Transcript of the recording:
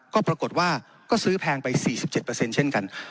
ก็ปรากฏว่าก็ซื้อแพงไป๔๗เช่นกัน